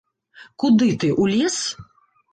Куды ты, у лес?